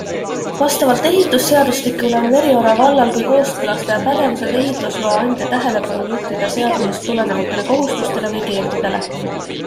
Vastavalt ehitusseadustikule on Veriora vallal kui kooskõlastaja pädevuses ehitusloa andja tähelepanu juhtida seadusest tulenevatele kohustustele või keeldudele.